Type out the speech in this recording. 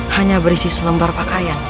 hanya berisi selembar pakaian